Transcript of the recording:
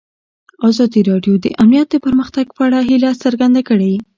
ازادي راډیو د امنیت د پرمختګ په اړه هیله څرګنده کړې.